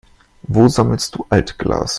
Wo sammelst du Altglas?